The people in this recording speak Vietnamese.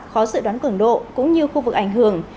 khó dự đoán cường độ cũng như khu vực ảnh hưởng